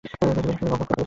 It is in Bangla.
তুমি বেশি বক বক করে ফেলেছ!